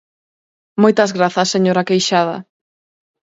Moitas grazas, señora Queixada.